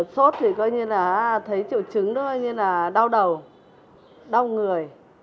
sốt thì coi như là thấy triệu chứng đó coi như là đau đầu đau người